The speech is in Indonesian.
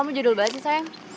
kamu judul banget sih sayang